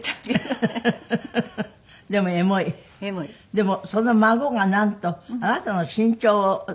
でもその孫がなんとあなたの身長を抜いた。